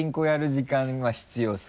時間は必要ですか？